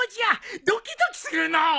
ドキドキするのう。